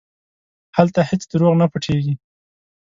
هلته هېڅ دروغ نه پټېږي.